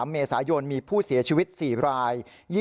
เมษายนมีผู้เสียชีวิต๔ราย